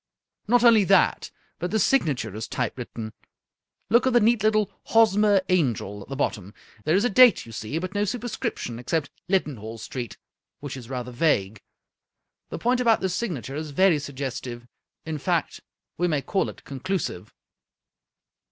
" Not only that, but the signature is typewritten. Look at the neat little ' Hosmer Angel ' at the bottom. There is a date, you see, but no superscription except Leadenhall Street, which is rather vague. The point about the signa ture is very suggestive — in fact, we may call it conclusive."